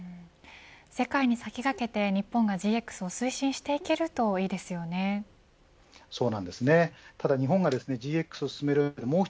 世界に先駆けて日本がＧＸを推進していけるといいですよね。